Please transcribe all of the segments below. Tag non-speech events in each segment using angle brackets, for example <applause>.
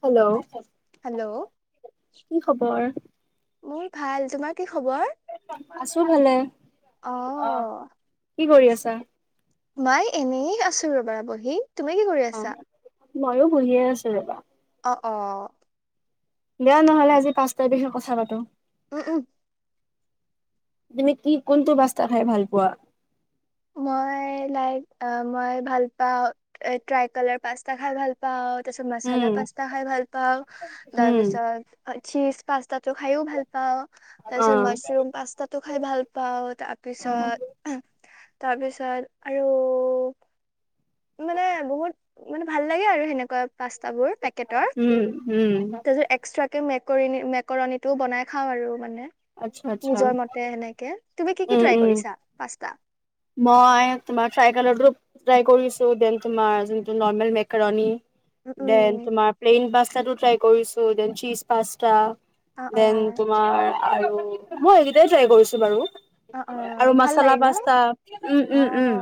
Hello. Hello. কি খবৰ? মোৰ ভাল। তোমাৰ কি খ আছোঁ ভালে। অ অ', কি কৰি আছা? মই এনেই আছোঁ। ৰ'বা, বহি তুমি কি কৰি আছা? ময়ো বহিয়েই আছোঁ। ৰ'বা অ', অ'। দিয়া, নহ'লে আজি পাস্তা বিষয়ে কথা পাতোঁ। অ', উম। তুমি কি, কোনটো পাস্তা খাই ভাল পোৱা? মই, লাইক, আ, মই ভাল পাওঁ। আ, ট্ৰাই-কালাৰ পাস্তা খাই ভাল পাওঁ। তাৰ পিছত উম মাচালা পাস্তা খাই ভাল পাওঁ। তাৰ হুম। পিছত চীজ পাস্তাটো খাইও ভাল পাওঁ। তাৰ পিছত অ', মাছৰুম পাস্তাটো খাই ভাল পাওঁ। তাৰ পিছত তাৰ পিছত আৰু মানে বহুত মানে ভাল লাগে আৰু সেনেকুৱা পাস্তাবোৰ পেকেটৰ। উম উম তাৰ পিছত একস্ত্ৰা তে মেকৰণী, মেকৰণীটো বনাই খাওঁ আৰু মানে আচ্ছা আচ্ছা নিজৰ মতে এনেকে তুমি কি কি উম ট্ৰাই উম। কৰিছা? পাস্তা। মই তোমাৰ ত্ৰাইকলৰটো ট্ৰাই কৰিছো, ডেন তোমাৰ যোনটো নৰমেল মেকৰণী উম ডেন উম তোমাৰ প্লেইন পাচ টো ট্ৰাই কৰিছো। ডেন চীজ পাস্তা অ অ ডেন তোমাৰ আৰু মই এইকেইটাই ট্ৰাই কৰিছো বাৰু। অ অ আৰু ভাল মাচালা লাগে ন পাস্তা। অ উম-উম-উম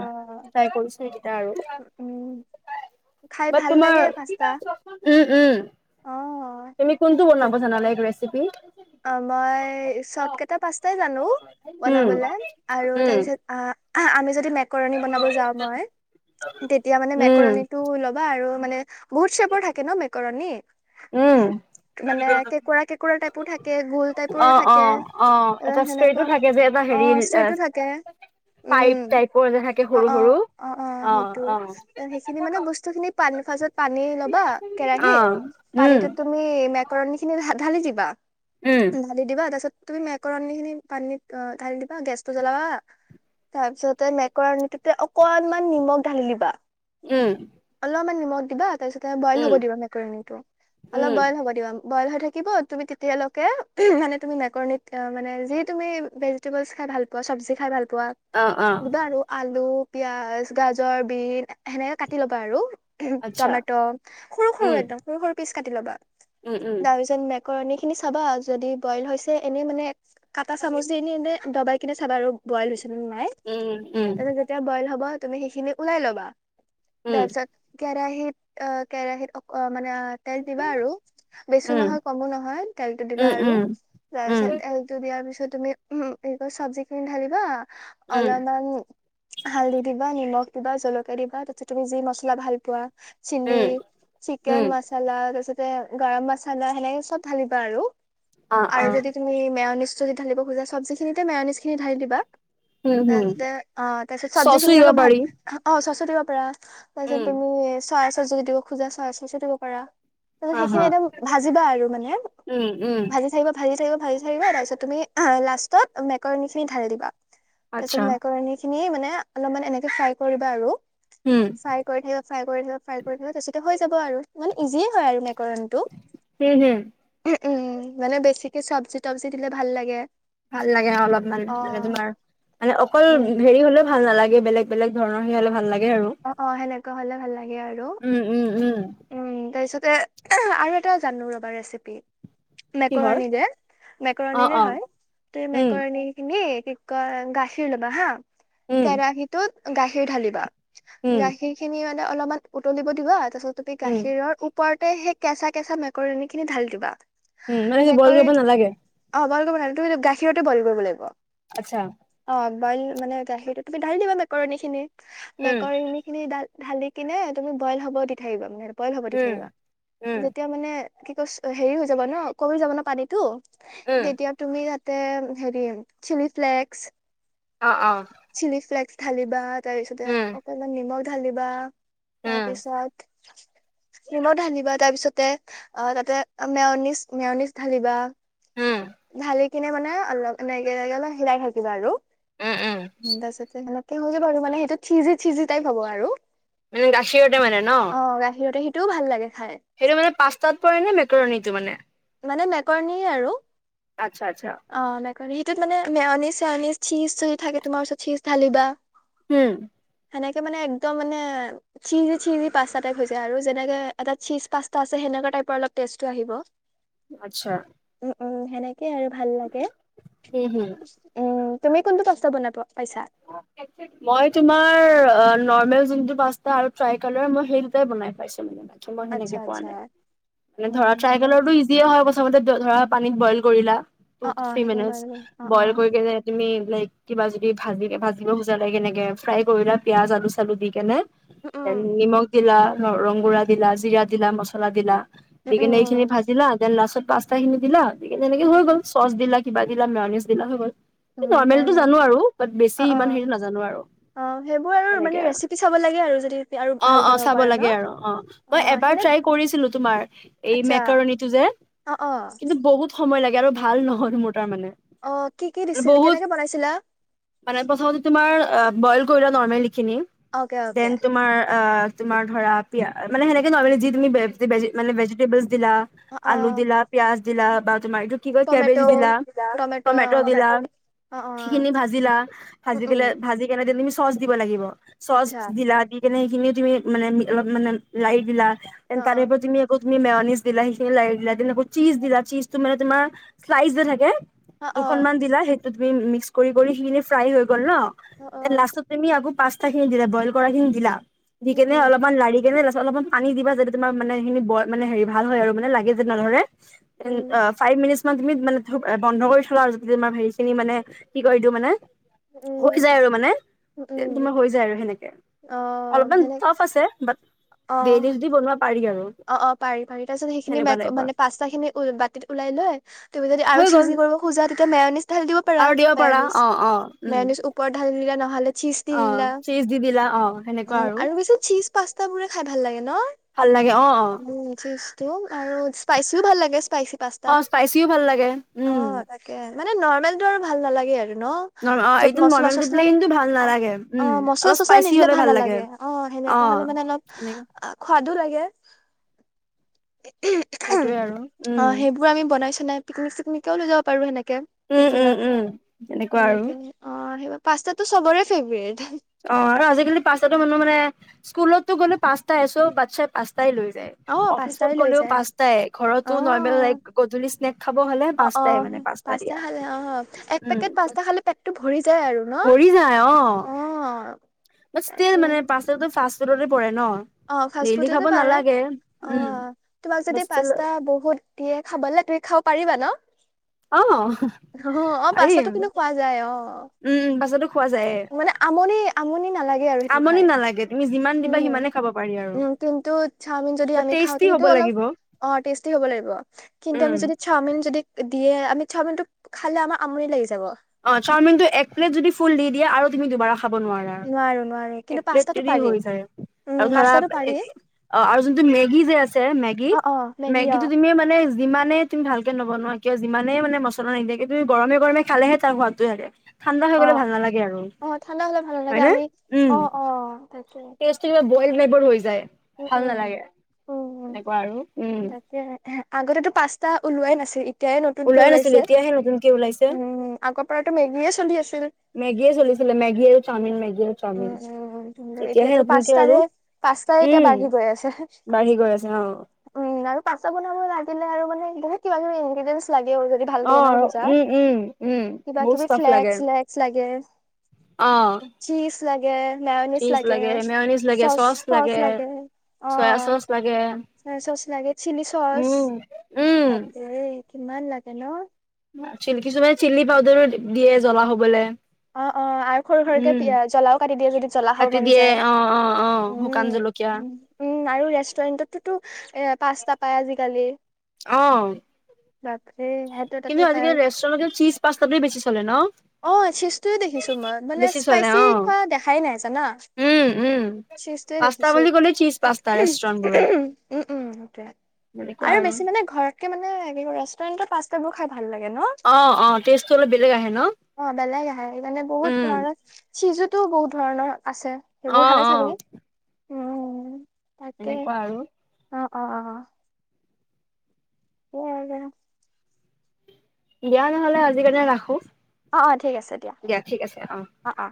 ট্ৰাই কৰিছোঁ সেইকেইটা আৰু। উম খাই বাত ভাল লাগে তোমাৰ পাস্তা উম-উম, অ তুমি কোনটো? বনাব জনা নে কিবা ৰেচিপি? অ' মই চব কেইটা পাছ টাই জানো উম বনাবলে। আৰু উম তাৰপিছত আ আমি যে <unintelligible> মেকাৰোনি বনাব যাওঁ মই, তেতিয়া মানে উম মেকাৰোনি টো লবা আৰু মানে বহুত <unintelligible> <unintelligible> থাকে ন মেকৰণী উম <unintelligible> উম মানে কেঁকোৰা কেঁকোৰা টাইপো থা <unintelligible> গোল টাইপৰ অ অ থাকে, অ এ এটা ষ্ট্ৰেটো সেনেকুৱা থাকে যে এটা হেৰি অ', ষ্ট্ৰেইট ও থাকে। পাইপ উম, টাইপৰ যে থাকে সৰু অ-অ, সৰু অ-অ অ সেইটো। অ সেইখিনি মানে বস্তুখিনি ফাৰত <unintelligible> পানী ল'বা অ কেৰাহিত উম পানীতো তুমি মেকৰণী খিনি ঢা-ঢালি দিবা। উম ঢালি দিবা তাৰপিছত। তুমি মেকৰণী খিনি পানীত ঢালি দিবা, গেছটো জ্বলাবা তাৰপিছতে মেকৰণীটোতে অকনমান নিমখ ঢালি দিবা। উম অলপমান নিমখ দিবা তাৰপিছত এ বইল উম হ'ব দিবা মেকৰণীটো, উম অলপ বইল হ'ব দিবা। বইল হৈ থাকিব তুমি তেতিয়ালৈ কে মানে তুমি মেকৰনীত মানে যি তুমি ভেজিটেবলছ্ খাই ভাল পোৱা চব্জি খাই ভাল পোৱা। অ অ পোৱা দিবা আৰু আলু পিয়াজ গাজৰ বিন সেনেকে কাটি ল'বা আৰু। আচ্ছা টমেট' সৰু-সৰু উম একদম সৰু-সৰু পিচ কাটি ল'বা। উম তাৰপিছত মেক কৰনি খিনি চাবা যদি বইল হৈছে এনেই মানে কাটা উম চামুচ দি নি এনে ডবাই কিনে চাবা আৰু বইল হৈছে। নাই, উম উম তেনে যেতিয়া বইল হ'ব তুমি সেইখিনি উলাই ল'বা। উম তাৰ পিছত। কেৰাহিত-কেৰাহিত অকণ মানে তেল দিবা আৰু উম বেছো উম নহয় কমো নহয়। দিবা উম আৰু উম তাৰপিছত এলটো দিয়া তাৰপিছত তুমি উমহ এইবাৰ চব্জি খিনি ঢালিবা। উম অলপমান। হাল্‌ধি দিবা, নিমখ দিবা, জলকীয়া দিবা, তাৰপিছত তুমি যি মছলা ভাল পোৱা। চিন্নী, উম চিকেন উম মছলা, তাৰপিছত। গৰম মচালা সেনেকে চব ঢালি বাৰু। আৰু যদি তুমি মেঅ'নিছ যদি ঢালিব খোজা চব্জিখিনিতে মেঅ'নিজি খিনি ঢালি দিবা। তাৰপিছতে অ' তাৰপিছত চব্জি খিনি দিব অলপ ভাল পাৰি। অ'চচ্ছ। তাতো দিব পাৰা। তাৰপিছত উম তুমি চচ্ছ। যদি দিব খোজা চচ চচো দিব পাৰা। তোৰ আহা সেইখিনি একদম ভাজিবা আৰু মানে। উম উম ভাজি থাকিব, ভাজি থাকিব। ভাজি থাকিবা, তাৰপিছত তুমি লাষ্টত মেকৰণী খিনি ঢালি দিবা। তাৰপিছত আচ্ছা মেকৰণী খিনি মানে অলপমান এনেকে ফ্ৰাই কৰিবা আৰু উম ফ্ৰাই কৰি থাকিবা, ফ্ৰাই কৰি থাকিবা, ফ্ৰাই কৰি থাকিবা, তাৰপিছত হৈ যাব আৰু ইমান ইজিয়ে হয় আৰু মেক কৰণটো হুম হুম উ উম মানে বেছিকে চব্জি তবজি দিলে ভাল লাগে। ভাল লাগে অলপমান মানে অ', তোমাৰ মানে অকল হেৰি হলেও ভাল নালাগ বেলেগ বেলেগ ধৰ সেয়া হলে ভাল লাগ অ অ সেনেকুৱা হলে ভাল লাগে আৰু উম উম উম উম তাৰছত তে এহে আৰু এটা জানো ৰবা ৰেচিপি। কিহৰ মেকৰণীৰে অ মেকৰণীৰে অ হয় তুমি উম মেকৰণীখিনি কি কয় গাখীৰ লবা হা। উম কেৰাহীটোত গাখীৰ ঢালিবা। উম গাখীৰ খিনি মান অলপমান উতলিব দিবা। তাছত তুপি উম গাখীৰৰ ওপৰত তে সেই কেঁচা কেঁচা মেকৰণীখিনি ঢালি দিবা। উম মানে কি বইল মেকৰণি কৰিব কৰিব নালাগে অ বইল কৰিব নালাগে তুমি ত গাখীৰতে বইল কৰিব লাগিব আচ্ছা অ বইল মানে গাখীৰটো তুমি ঢালি দিবা মেকৰণী খিনি উম মেকৰণী খিনি দাল ঢালি কিনে তুমি বইল হব দি থাকিবা মানে বইল হ'ব দি উম থাকিবা উম যেতিয়া মানে কি কৈছ হেৰি হৈ যাব ন কমি যাব ন পানীটো উম তেতিয়া তুমি তে হেৰি চিলি ফ্লেকস অ অ ঢালিবা তাৰপিছতে উম তা মা নিমখ ঢালিবা। উম তাৰপিছত ক্ৰীমো ঢালিবা তাৰ পিছতে, অ, তাতে মেওনিজ মেওনিজ ঢালিবা। উম ভালে কিনে মানে অলপ এনেকে এনেকে অলপ হিলাই থাকিবা আৰু। উম তা পাছতে <unintelligible> এটোত থিজি চিজি টাইপ হ'ব আৰু। উম গাখীৰতে মানে ন। তো ভাল লাগে। খাই সেইটো মানে পাষ্টতাত পৰে নে মেকৰণীটো মানে। মানে মেকৰণীয়ে আৰু। আচ্ছা আচ্ছা। কাৰী টোত মানে মেওনিজ চেওনিজ চিজ যদি থাকে তোমাৰ ওচৰত চিজ ঢালিবা। উম। মানে একে মানে একদম মানে, চিজি চিজি পাষ্টা টাইপ হৈ যায় আৰু যেনেকে এটা চিজ পাষ্টা আছে সেনকা টাইপৰ অলপ টেষ্টতো আহিব। আচ্ছা। উম উম, সেনেক কেই আৰু ভাল লাগে। হুম, হুম। উম। তুমি কোনটো পাষ্টা বনা মই তোমাৰ অ, নৰ্মেল যোনটো পাষ্টা আৰু ট্ৰাই কালৰ, মই সেই দুটাই বনাই পাইছো মানে মই আচ্ছা সেনেকে পোৱা আচ্ছা নাই মানে, ধৰা উম সেনে ট্ৰাইকলৰো ইজিয়ে হয় প্ৰথমতে ধ ধৰা পানীত বইল কৰিলা। টু অ অ থ্ৰী সেইখিনি মিনিট, বাৰু অ অ বইল কৰি কিনে তুমি ধৰা এইটি বাজি দি ভাজি ভাজিব খোজা লাগে সেনেকে ফ্ৰাই কৰিলা পিয়াজ আলু চালু দি কিনে। উম এন নিমগ দিলা। ৰংগুৰা দিলা, জিৰা দিলা, মছলা দিলা। উম দি উম কিনে এইখিনি উম ভাজি লোৱা দেন লাষ্টত পাষ্টাখিনি দিলা। দি কিনে এনেকে হৈ উম গ'ল, চচ দিলা কিবা দিলা মেওনিজ দিলা হৈ গ'ল। উম উম হয় নৰ্মেলটো হয় জানো আৰু। বেছি অ ইমান অ হেৰি নাজানো আৰু অ সেইবোৰ সেনেকে মানে আৰু ৰেচিপি চাব লাগে আৰু যদি আৰু ভাল অ' অ' বনাব চাব পাৰা লাগে ন আৰু অ', মই অ এবাৰ সেনে ট্ৰাই কৰিছিলো, তোমাৰ এই আচ্ছা মেকৰণীটো যে অ অ কিন্তু সহজ সময় লাগে আৰু ভাল নহ'ল মোৰ। অ' কি কি দিছিল কেনেকে বনাইছিলা। হোৱা নাই। প্ৰথমতেতো তোমাৰ বইল কৰি লবা নৰমেলি। খিনি অকে অকে দেন তোমাৰ অ' তোমাৰ ধৰা পিয়া মানে সেনেকে নৰ্মেলি যি তুমি মানে ভেজিটেবল দিলা অ অ আলু দিলা পিয়াজ দিলা বা। তোমাৰ এইটো কি কয় টমেট' কেবেজ দিলা, টমেট' অ টমেটো দিলা অ অ সেইখিনি ভাজিলা। উম ভাজি পেলে উম ভাজি কেনে তুমি চ চচ দিব লাগিব। চচ আচ্ছা দিলা দি কিনে খিনি তুমি মানে অলপ মানে লাৰি দিলা। অ তাৰে ওপৰত তুমি আ তুমি মেউনিজ দিলা সেইখিনি ল দিলা আকৌ চীজ দিলা চীজটো মানে তোমাৰ শ্লাইচ যে থাকে। অ অ দুখনমান দিলা সেই তুমি মিক্স কৰি কৰি ফ্ৰাই হৈ গ গল ন। অ অ লাস্ট ত তুমি আগ পচ খিনি দিলা বইল কৰা খিনি দিলা। দি উম কেনে উম অলপমান লাাৰি কেনে অলপমান পানী দিবা যদি তোমাৰ মানে সিখিনি ব মানে হেৰি ভাল হয় আৰু মানে লাগে যে নধৰে। উম ফাইভ মিনিট তুমি মানে ধ বন্ধ কৰি চলা আৰু যদি তোমাৰ হেৰিখিনি মানে কি কৰি দিওঁ মানে হৈ উম যায় আৰু মানে। উম তে উম তোমাৰ হৈ যায় আৰু সেনেকে। অ অলপমান সেনে টাফ আছে বাট অ ডেইলি যদি বনোৱা পাৰি আৰু। অ', অ' পাৰি পাৰি তাৰপিছত সেনেকুৱা সেইখিন টাইপৰ মানে পাষ্তা খিনি বাতিত ওলাই লয় তুমি যদি আৰু হৈ গ'ল চিজি কৰিব খোজা তেতিয়া মেওনিছ ঢালি দিব পাৰা আৰু দিব পাৰা মেওনিজ। অ অ উম নেওনিছ ওপৰত ঢালি দিলে নহ'লে চীজ অ দিলা চীজ দি দিলা অ সেনেকুৱা আৰু বেছি চীজ পাস্তাবো খাই ভাল লাগে ন। অ, চিছ আৰু স্পাইচিও ভাল লাগে। স্পাইচি পাস্তা অ স্পাইচিও ভাল লাগে অ উম। তাকে মানে নৰ্মেলটো আৰু ভাল নালাগে আৰু। ন নৰ্ম অ য'ত এইটো মচলা নৰ্মেলটো চচলা নি প্লেইনটো ভাল অ নালাগে অ উম মচলা অলপ চচলা স্পাইচি নিদিলে হলে ভাল লাগে নালাগে অ অ সেনেকুৱা হলে মানে অলপ এনেকুৱা খোৱাদো লাগে। সেইটোয়ে আৰু অ উম সেইবোৰ আমি বনাইছো সে পিকনিক চিকে লৈ য পাৰো সেনেকে উম উম উম তেনেকুৱা টিফিনত আৰু এনেকে অ সেইবাবে পাস্তাটো সবৰে ফেভৰেট অ আৰু আজিকালি পাচতাটো নো মানে স্কুলতো গ'লে পাঁছটা এই চ বাচছাই পাঁছ তাই লৈ যায় অ অফিচত পাস্তাই লৈ গলেও যায় পচটাই ঘৰতো অ নৰ্মেলাই গধলি স্নেক খাব হলে অ অ পচটাই মানে পচটা পাস্তা দিয়া খালে অ এক উ‍ পেকেট পাস্তা খালে পেটটো ভৰি যায় আৰু ন অ ম তে তাকে মানে পাঁচ একম তে পৰে ন অ ফা ডেইলি ফুড খাব পাৰে নালাগে অ উম তোমাক বাট যদি ষ্টিল পাস্তা বহুত দিয়ে খাব তুমি খাব পাৰিবা ন অ ন অ অ পাৰি। পাচাটো উম কিন্তু খোৱা যায় অ উম বাছতো খোৱা যায় নি আমনি নালাগে আৰু সেইটো আমনি খাই নালাগে তুমি যিমান দিবা উম সিমানে খাব প কিন্তু চাওমিন যদি আমি খাওঁ টেষ্টি তে হ'ব অলপ লাগিব অ টেস্টি হব লাগিব কিন্তু আমি উম। যদি চাওমিন যদি। দিয়ে আমি চাওমিনটো খালে আমাৰ আমনি লাগি যাব। অ চাওমিন টো এক প্লেট যদি ফুল দি দিয়ে আৰু তুমি দুবাৰা খাব নোৱাৰা নোৱাৰো নোৱাৰো কিন্তু এক প্লেত পাস্তাটো দি পাৰি হৈ যায় উম আৰু ধৰা পাস্তাটো পাৰি আৰু যোনটো মেগি যে আছে মেগী অ', অ', মেগী মেগীটো অ', তুমি মানে যিমানে তুমি ভালকে নবনোৱা। কিয় যিমানেই মানে মচলা নিদিয়ে কিয় তুমি গৰমেগৰমে খালে <unintelligible> অ আৰু অ ঠাণ্ডা হলে ভাল নালাগে হয়নে আমি অ অ তাকে। বই নবোৰ হৈ যায় উম, ভাল উম, নালাগে উম, উম, এনেকুৱা আৰু। উম তাকে আগতেতো পাস্তা ওলোৱাই নাছিল। এতিয়াই নতুনকে ওলোৱাই নাছিল ওলাইছে। এতিয়াহে নতুনকে ওলাইছে উম, আগৰ পৰাতো মেগীয়ে চলি আছিল মেগীয়ে চলিছিলে মেগী আৰু চাওমিন মেগী। আৰু চাওমিন উম উম <unintelligible> এতিয়াহে এতিয়াতো নতুনকে আৰু পাস্তাৰে পাস্তাৰে এতিয়া উম বাঢ়ি গৈ আছে বাঢ়ি গৈ আছে অ উম আৰু। পাস্তা বনাব লাগিলে আৰু মানে বহুত কিবা কিবি ইনগ্ৰেডিয়েন্টচ লাগেও যদি ভালকে অ বনাব খোজা উম উম উম বহুত কিবাকিবি ষ্টাফ ফ্লেক্স লাগে চ্লেক্স লাগে অ চিচ লাগে চীজ লাগে মেয়নিজ লাগে চচ লাগে চয়া অ', চচ লাগে। চয়া চচ লাগে চিলি চচ উম। উম, বাপৰে। কিমান লাগে ন। কিছুমানে চিলি পাউদাৰো দিয়ে জ্বলা হবলে। অ অ আৰু সৰু উম, সৰুকে জ্বলাও কাটি দিয়ে যদি জ্বলা খাব কাটি মন দিয়ে যায় অ', অ', অ', উ শুকান জলকীয়া উ আৰু ৰেষ্টুৰেণ্টটো পাস্তা। পাই আজিকালি। অ, <unintelligible> তাতো কিন্তু পাই আজিকালি ৰেষ্টুৰেণ্টত চীজ পাস্তাটোৱে বেছি চলে ন। অ চিজটোৱে দেখিছো মই মানে বেছি চলে স্পাইচি অ', খোৱা দেখাই নাই জান' উম, উম। চিজটোৱে পাস্তা দেখিছো বুলি ক'লে চীজ পাস্তা ৰেষ্টুৰেণ্টবোৰত উম উম সেইটোৱে আৰু বেছি মানে ঘৰতকৈ ৰেষ্টুৰেণ্ট। পাস্তাবোৰ খাই ভাল লাগে। অ', অ', টেষ্টতো অলপ বে অ বেলেগ আহে মানে বহুত উম, ধৰণৰ চিজত <unintelligible> বহু ধৰণৰ। আছে সেইবোৰ অ', ঢালে অ', চাগে উম তাকে এনেকুৱা আৰু। অ অ, <unintelligible> দিয়া নহলে আজি কাৰণে ৰাখো। অ অ ঠিক আছে দিয়া অ অ